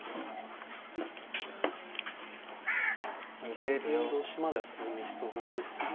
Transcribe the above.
同銀同飛車までは進みそうですね。